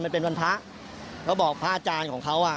มันเป็นวันพระเขาบอกพระอาจารย์ของเขาอ่ะ